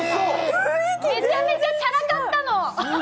めちゃめちゃチャラかったの！